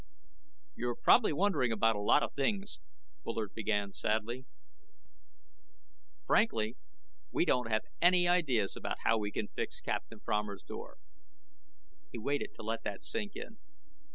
"You're probably wondering about a lot of things," Bullard began sadly. "Frankly, we don't have any ideas about how we can fix Captain Fromer's door." He waited to let that sink in.